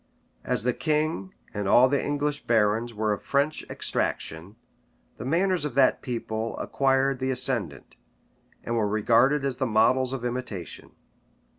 As the king and all the English barons were of French extraction, the manners of that people acquired the ascendant, and were regarded as the models of imitation.